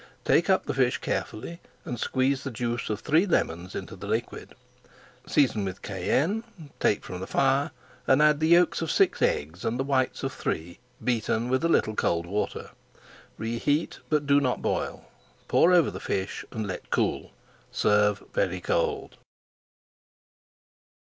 Take up the fish carefully and squeeze the juice of three lemons into the liquid. Season with cayenne, take from the fire and add the yolks of six eggs and the whites of three beaten with a little cold water. Reheat but do not boil; pour over the fish and let cool. Serve very cold.